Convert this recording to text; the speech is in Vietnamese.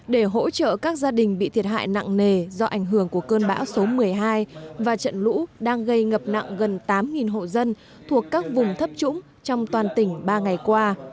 để hỗ trợ các gia đình bị thiệt hại nặng nề do ảnh hưởng của cơn bão số một mươi hai và trận lũ đang gây ngập nặng gần tám hộ dân thuộc các vùng thấp trũng trong toàn tỉnh ba ngày qua